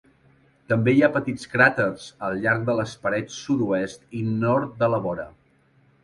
També hi ha petits cràters al llarg de les parts sud-oest i nord de la vora.